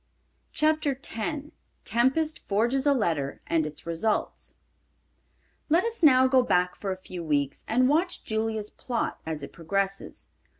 CHAPTER X TEMPEST FORGES A LETTER AND ITS RESULTS Let us now go back for a few weeks and watch Julia's plot as it progresses.